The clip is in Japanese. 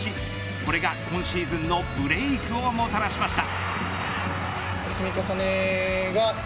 これが、今シーズンのブレークをもたらしました。